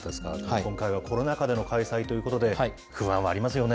今回はコロナ禍での開催ということで、不安はありますよね。